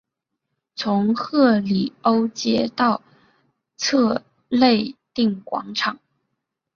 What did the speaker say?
从赫里欧街到策肋定广场。